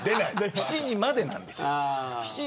７時までなんですよ。